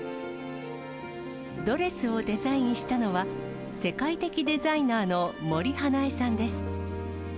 ドレスをデザインしたのは、世界的デザイナーの森英恵さんです。